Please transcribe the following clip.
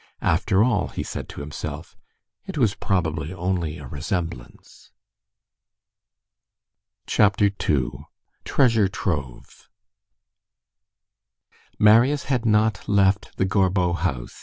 "After all," he said to himself, "it was probably only a resemblance." CHAPTER II—TREASURE TROVE Marius had not left the Gorbeau house.